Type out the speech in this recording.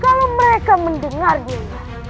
kalau mereka mendengar dia